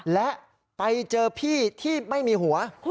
และไปเจอพี่ที่ไม่มีหัว